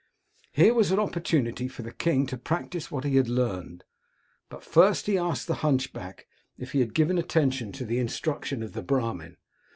Here was an opportunity for the king to practise what he had learned. But first he asked the hunchback if he had given attention to the instruction of the Brahmin.